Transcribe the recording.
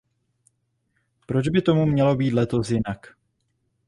Proč by tomu mělo být letos jinak?